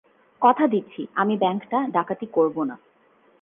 কথা দিচ্ছি আমি ব্যাংকটা ডাকাতি করবো না।